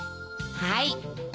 はい。